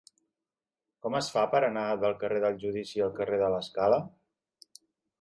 Com es fa per anar del carrer del Judici al carrer de l'Escala?